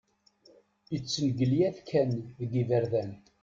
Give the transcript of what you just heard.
Ittengelyat kan deg iberdan.